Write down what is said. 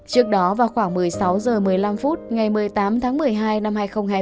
trước đó vào khoảng một mươi sáu h một mươi năm phút ngày một mươi tám tháng một mươi hai năm hai nghìn hai mươi hai